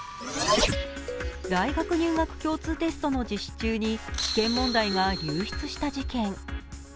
大学入学共通テストの実施中に、試験問題が流出した事件。